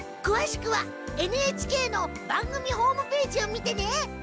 くわしくはＮＨＫの番組ホームページを見てね！